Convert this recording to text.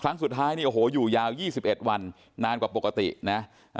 ครั้งสุดท้ายนี่โอ้โหอยู่ยาวยี่สิบเอ็ดวันนานกว่าปกตินะอ่า